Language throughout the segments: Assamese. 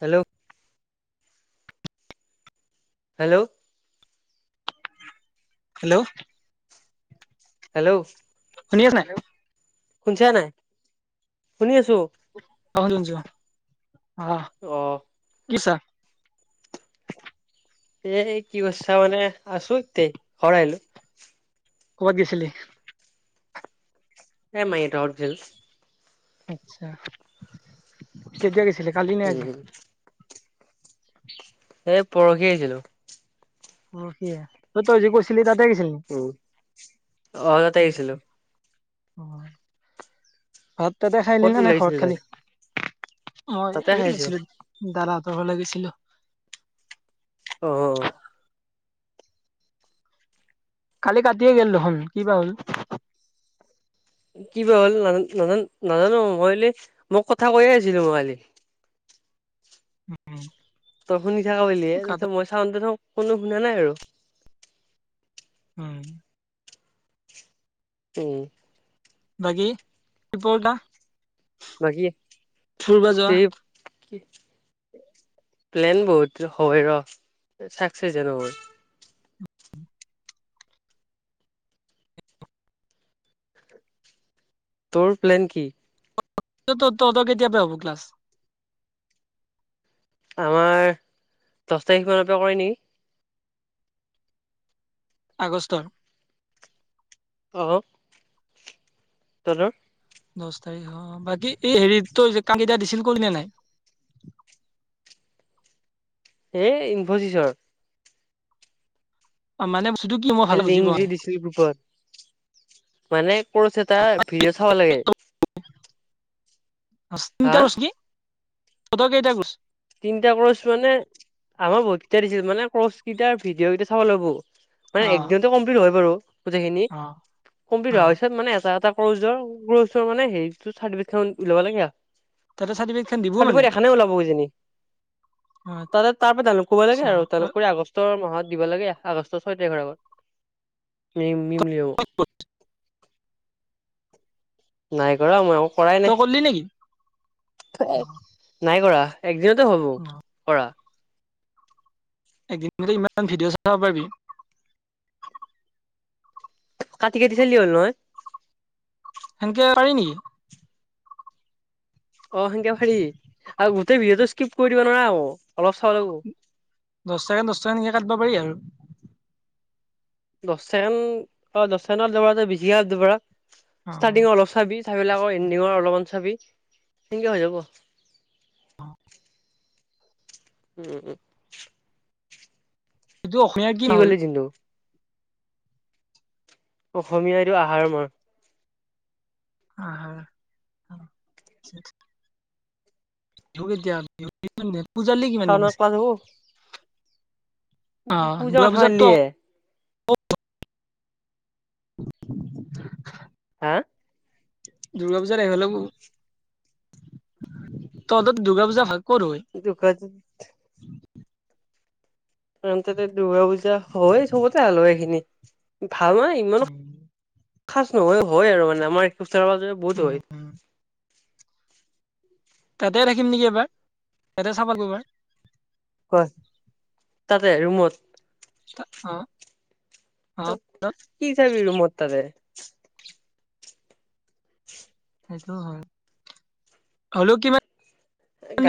হেল্ল'। হেল্ল'। হেল্ল'। হেল্ল'। শুনি আছ ন? শুনিছে নাই? শুনি আছো। ক অ। অ। কিছাৰ। এ কি কৰিছা মানে আছো তেই ঘৰা আহলো। ক'ৰবাত গৈছিলি? হ মাই ডউ জেল। আচছা কেতিয়া গৈছিলে কালি নে আজি? উম এই পৰহি আহিছিলো। অ কি তই তই যি কৈছিলি তাতে গৈছিল নে? উ অহগতে আহিছিলো। নেকি? অ ভাত তাতে খাই ল ক'ত নে ওলাই নাই ঘৰত আহিছিলি তই খালি? অ তাতে এ আহিছো গৈছিলো দাদাহঁতৰ ফলে গৈছিলো। অ অ অ। কালি কাটিয়ে গ' দেখোন কি বা হ'ল। কি হ'ল নান নাজানো নাজানো মইল মোক কথা কৈয়ে আছিলো মই কালি। তই শুনি থাক বিয় কাটা মই চাওঁ দে কোনো শুনা নাই। আৰু হয়। অ। বাকি ৰিপৰ্টা। বাকি ফুৰিব যোৱা তে। কি প্লেন বহুত হয় ৰ চাকচেচ জানো ম। তোৰ প্লেন কি? তহঁতৰ কেতিয়া পা হ'ব ক্লাছ। আমাৰ দহ তাৰিখ মানৰ পৰা কৰে নেকি, আগষ্টৰ। অ' তহঁতৰ দছ তাৰিখ অ' বাকী, এই হেৰি তো কামকেইটা দিছিল কৰিলি নে নাই। এই ইমফচিচৰ। অ' মানে বস্তুটো কি মই। এই ভালকে বুজি লিংক পোৱা যি নাই দিছিলো গ্ৰুপত। মানে ক'ৰ্চ এটা ভিডিঅ' চাব লাগে। তিনিতা ক'ৰ্চ নেকি হা তহঁতৰ কেইটা ক'ৰ্চ? তিনিটা ক'ৰ্চ মানে, আমাৰ বহুত কেইটা দিছিল মানে ক'ৰ্চ কেইটাৰ ভিডিঅ' কেইটা চাব লাগবো। মানে অ', একদিনতে কমপ্লিট হয় বাৰু গোটেইখিনি। অ', কমপ্লিট হোৱাৰ অ', পিছত মানে এটা এটা ফৰ্যোৰ কোৰ্চৰ মানে হেৰীতো চাৰ্টিপেকেটখন লবা লাগে। তাতে চাৰ্টিফিকেটখন দিব মানে চাৰ্টিফিকেট এখনে ওলাব কিজনী। তা তাৰ পৰা ডাউনলোড কৰিব লাগে আচ্ছা আৰু ডাউনলোড কৰি আগ আগষ্টৰ মাহত দিব লাগে। আগষ্টৰ ছয় তাৰিখৰ আগত [unintelligible] নাই কৰা মই ময়ো কৰাই তই কৰিলি নেকি? নাই। অ', নাই কৰা একদিনতে হ'ব অ কৰা। একদিনতে ইমান ভিডিঅ' চাব পাৰিবি? কাটি কাটি চালে হ'ল নহয়। সেনেকে পাৰি নেকি? অ', সেনকেও পাৰি আৰু গোটেই ভিডিঅ'টো স্কিপ কৰি দিবা নোৱাৰা আকো অলপ চাব লাগবো। দহ চেকেণ্ড দহ চেকেণ্ডকে কাটিব পাৰি আৰু। দহ চেকেণ্ড অ' দহ চেকেণ্ড বিছি দুবাৰ অ', ষ্টাৰ্টিঙৰ অলপ চাবি চাই পেলে আকৌ এণ্ডিঙৰ অলপমান চাবি সেনেকৈ হৈ যাব। উম, উম। এইটো অসমীয়া কি মাহ হ'ল? কলি জিন্তু অসমীয়া এইটো আহাৰ মাহ। আহাৰ [unintelligible] পূজালে কিমান দিন শাওনত আছে? ক্লাছ হ'ব অ', পূজা দুৰ্গা মাথা পূজাততো মাৰলিয়ে! [inaudible] হা? দুূৰ্গা পূজাত আহব লাগবো। তহঁতৰ দুৰ্গা পূজা ভাগ ক'ত হয়? [inaudible] আন তাতে দুৰ্গা পূজা হয় চবতে আলো এইখিনি। ভাল মানে ইমানো উম, সাচ নহয় হয় আৰু মানে আমাৰো ওচৰে পাজৰে বহুত হয়। তাতে থাকিম নেকি এবাৰ তাতে চাফা কৰিবাৰ। হয়, তাতে ৰুমত? [inaudible] কি চাবি ৰুমৰ তাতে? সেইটো হয়। হ'লেও কিমান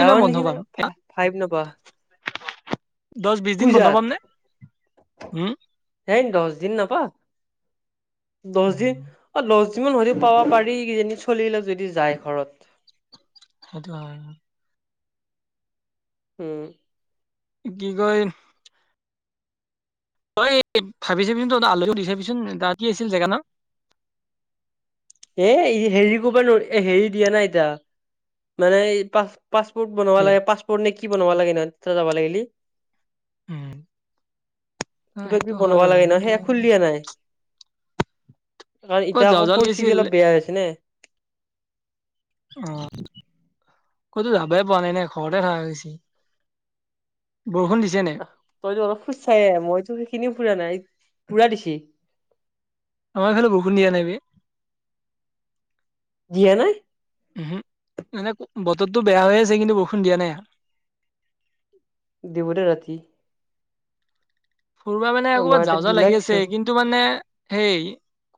দিনমান বন্ধ নিচিনা পাম ভাইভ নাপাৱ। দহ বিশ দিন বন্ধ পাম নে উম। সেই দহ দিন নাপাৱ। দহ দিন উম, অ' দহ দিনমান হ'লেও পাব পাৰি কিজানী চলিবিলাক যদি যায় ঘৰত। সেইটো হয়। উম। কি কয় তই ভাবি চাবিচোন তই ত আলহীক সুধি চাবিচোন তা কি আছিল জেগাৰ নাম? এ হেৰি কৰিব নোৱাৰ হেৰি দিয়া নাই এতিয়া। মানে পা পাছপোৰ্ট বনাব কি? লাগে পাছপোৰ্ট নে কি বনাব লাগে [unintelligible] যাব লাগিলি। উম, অ, কিবা সেইটো কিবি হয় বনাব বাৰু লাগে ন কিন্তু সেয়া খুলি দিয়া নাই। কাৰণ ক'ত এতিয়া যাওঁ আকৌ যাওঁ লাগি আছিল পৰিস্থিতি অলপ বেয়া হৈছে নে। অ', ক'তো যাবই পোৱা না নাই ঘৰতে থাকা গৈছি। বৰষুণ দিছে নাই? তইতো অলপ ফুৰচায়ে মইতো সেইখিনিও ফুৰা নাই পুৰা দিচি। আমাৰ ফালে বৰষুণ দিয় নাই বে। দিয়া নাই। ওহো, মানে বতৰটো বেয়া হৈ আছে কিন্তু বৰষুণ দিয়া নাই। দিবদে ৰাতি। কৰবা মানে আমাৰ ক'ৰবাত ইয়াতে যাওঁ যাও দিলা লাগি কিছু আছে কি টো মানে হেই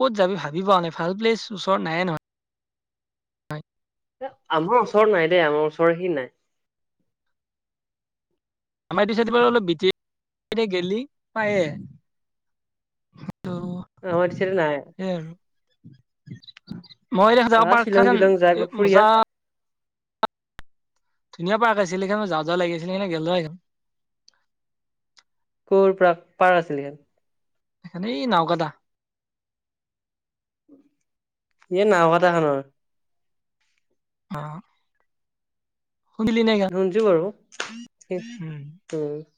ক'ত যাবি ভাবি পা নাই ভাল প্লেচ ওচৰত নায়ে নহয়। আমাৰ ওচৰত নাই দেই আমাৰ ওচৰ সি নাই। আমাৰ এই [unintelligible] গেলি পায়ে। [unintelligible] দিছে নাই সেইয়ে আৰু। যা শ্বিলং তিলং যাই ফুৰি আহ [unintelligible] ধুনীয়া পাৰ্ক আছিল সেইখন যাও যাও লাগিছিল [unintelligible] ক'ৰ পৰা পাৰ আ [unintelligible] এই নাওকাদা। এ নাওঘা [unintelligible] অ'। [unintelligible] ধুনচো বাৰু উম [unintelligible]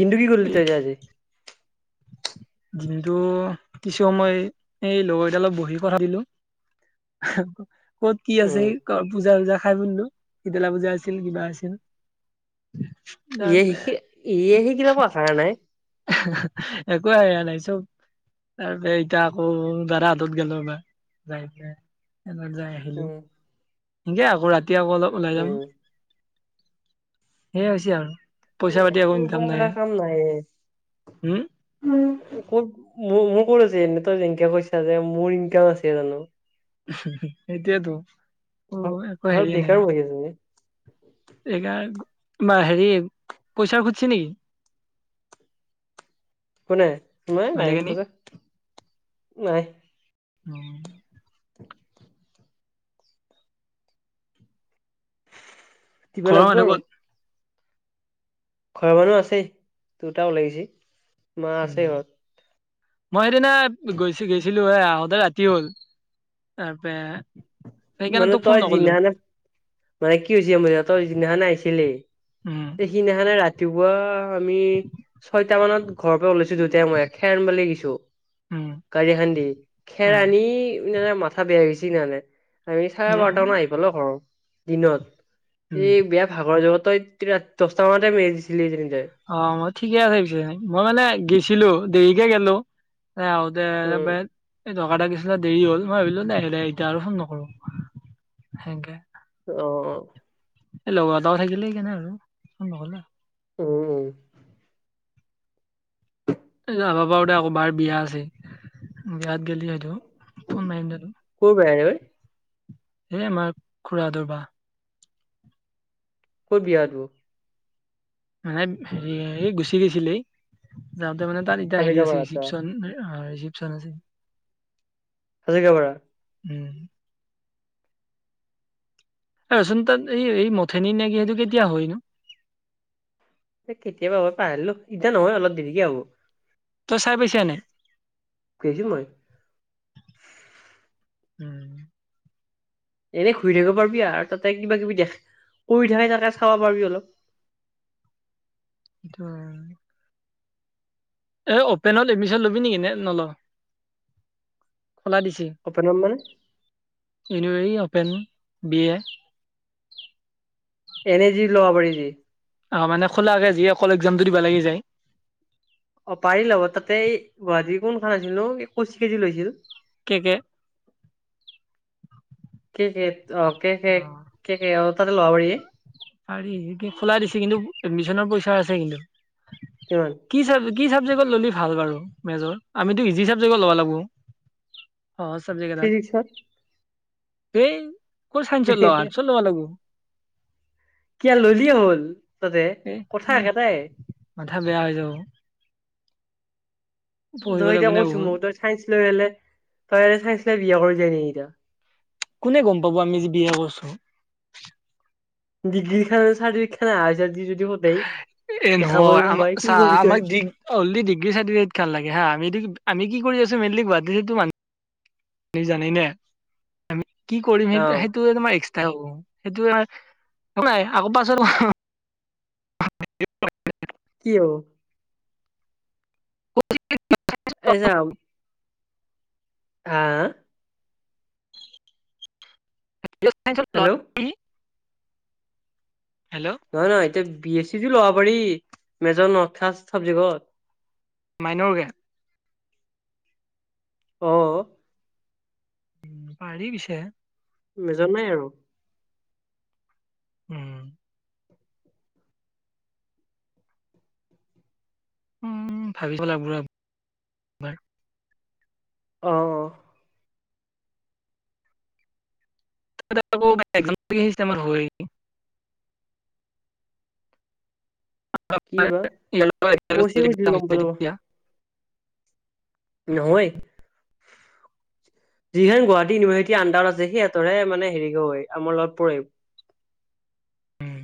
দিনটো কি কৰিলি এই তই যে আজি? দিনটো কিছু সময় এই লগৰ এটা লগত বহি কথা দিলোঁ। ক'ত কি আছে? উম পূজা চুজা খাই [unintelligible] চিতলা পূজা আছিল কিবা আছিল। তাৰপে ইয়েহি ইয়েহি সি [unintelligible] [unintelligible] [unintelligible] এ যাই আহিলো উম সেনকে আকৌ ৰাতি আকৌ অলপ ওলাই যাম। উম সেইয়াই হৈছে আৰু পইচা পাতি একো ইনকাম নাই, উম। উ, ক'ত মোৰ মোৰ ক'ত আছে এনে তই যেনকে কৈছা যে মোৰ ইনকাম আছে জানো। সেইটোয়েতো অ', একো ঘৰত হেৰিয়ে নাই। বেকাৰ বহি আছো নে হেইকাৰনে বা হেৰি পইচা খুজছে নেকি? কোনে নাই নাই ভালেখিনি খোজা নাই। [unintelligible] [unintelligible] দিব ঘৰৰ লাগিব মানুহ আৰু। ক'ত ঘৰৰ মানুহো আছেই [unintelligible] মা আছে উম। ঘৰত মই সেইদিনা গৈছ গৈছিলো এ আহোতে ৰাতি হ'ল তাৰপা মানে তই জি [unintelligible] মানে কি হৈছে মোৰ সিহতৰ যিদিনা আহছিলি উম খানে ৰাতিপুৱা আমি ছয়টা মানত ঘৰৰ পৰা ওলাইছো। তিয়া মই খেৰ আনিব লাগিছো উম গাড়ী এখান দি উম খেৰাণী মাথা বেয়া হৈ গিচি মানে। আমি চাৰে উম বাৰটামান আহি পালো ঘৰ দিনত উম এই বিয়া ভাগৰ জগতো [unintelligible] দহটা মানতে মেলি দিছিলি [unintelligible] অ', ঠিকে আছে পিছে মই মানে গেছিলো দেৰিকে গেলো। এ আহোতে উম এই টকা [unintelligible] দেৰি হ'ল মই ভাবিলো নাই এতিয়া আৰু ফোন নকৰো সেনেকে। অ', অ'। এই লগৰ এটাও থাকিলে সেই কাৰণে। উম, উম। [unintelligible] যাবা পাৰু দে আকৌ বাৰ বিয়া আছে বিয়াত গেলি সেইটো ফোন মাৰিম দে টোক, ক'ৰ বিয়া ঐ এ আমাৰ খুৰা হঁতৰ বা। ক'ত বিয়া টো? মানে হেৰি গুচি গৈছিলেই যাওঁতে মানে তাত এতিয়া হেৰি আছে হাজৰিকাপাৰা আচ্ছা ৰিচিপচন ৰিচিপচন আছে। হাজৰিকাৰ পৰা উম, আৰু ৰচোন তাত এই এই মথেনী নেকি সেইটো কেতিয়া হয়নো? এ কেতিয়াবা হয় পাহৰিলো ইটা নহয় অলপ দেৰিকে হ'ব। তই চাই পাইছা নাই? গেইছো মই। উম, এনেই ঘূৰি থাকিব পাৰিবি আৰু তাতে কিবা কিবি দেখ কৰি থাকে তাকে চাব পাৰিবি অলপ। সেইটো আৰু এ অপেনত এডমিশন ল'বি নেকি নে নল, খোলা দিছে। অপেনত মানে এনে এই অপেন বি এ। এনেই যি লব পাৰি যি অ', মানে খোলাকে যি অকল এক্সামটো দিব লাগি যায়। অ', পাৰি লব তাতে এই গুৱাহাটীৰ কোন খন আছিল নো কচি কেজি লৈছিল? কে কে? কে - কে অ, কে - অ কে - কে - কে অ, তাতে লব পাৰি। পাৰি খোলা দিছে কিন্তু এডমিছনৰ পইচা আছে কিন্তু। কিমান? কি চাব কি ছাবজেক্টত ল'লে ভাল বাৰু মেজৰ আমিতো ইজি ছাবজেক্টত ল'বা লাগব। অ', ছাবজেক্ট এটাত। ফিজিক্সত ক'ত চাইঞ্চত লোৱা অৰ্ষ্টত ল'বা লাগব। কিয়া ললিয়ে হ'ল। তাতে এই কথা উম, একেটাই মাথা বেয়া হৈ যাব। তই পঢ়িবলৈ এতিয়া কোনে কৈছো পঢ় মই তই চাইন্ঞ্চ লৈ হলে তই চাইন্ঞ্চ লৈ বিয়া কৰি য নেকি এতিয়া কোনে গম পাব আমি যে বি এ কৰছো? ডিগ্ৰী খান চাৰ্টিফিকেট খান [unintelligible] এ দেখাবই নহয় আমাক কোনোবাই কি চাহ কৰিবি তই আমাক দিগ অনলি ডিগ্ৰী চাৰ্টিফিকেট খান লাগে হা আমি আমি কি কৰি আছো মেইনলি [unintelligible] জানি নে আমি কি কৰিম সেই অ সেইটোৱে তোমাৰ ত' সেইটোয়ে নাই আকৌ পাছত [inaudible] কি হব? [unintelligible] এই ছা হাঁ হেল্ল' [unintelligible] হেল্ল' নহয় নহয় এতিয়া বি এছ চি টো ল'ব পাৰি মেজৰ নথাক চাবজেক্ট। মাইনৰ কে অ', পাৰি পিছে মেজৰ নাই আৰু। উম, উম, ভাবিব লাগব ৰ' এবাৰ। অ', অ', ৌ এক লাগ আহিমাৰ হৈি কি বা কৈছে কৈছিলি গম পালো তিয়া নহয় যিখখন গুৱাহাটী ইউনিভাৰ্চিটি আণ্ডাৰ আছে সিহঁতে মানেৰি হয় আমাৰ লগ পম উওম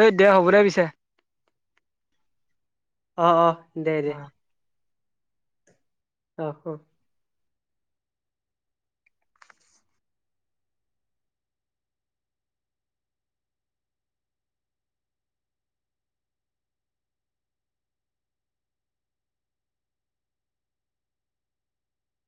এই দে হ'ব দে পিছে অঁ অঁ দে দে অ আহ